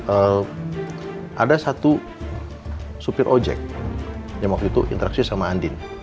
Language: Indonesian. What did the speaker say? ada satu supir ojek yang waktu itu interaksi sama andin